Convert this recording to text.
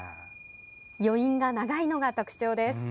余韻が長いのが特徴です。